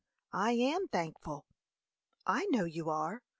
"I am thankful." "I know you are.